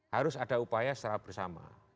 harus ada upaya secara bersama